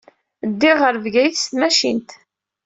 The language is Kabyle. Ddiɣ ɣer Bgayet s tmacint.